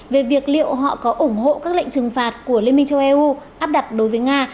về việc liệu họ có ủng hộ các lệnh trừng phạt của liên minh châu âu áp đặt đối với nga